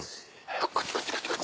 こっち